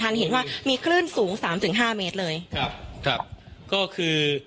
เห็นว่ามีคลื่นสูงสามถึงห้าเมตรเลยครับครับก็คือ